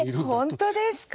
えっ本当ですか？